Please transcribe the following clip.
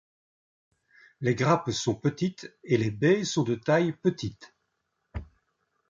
Les grappes sont petites et les baies sont de taille petite.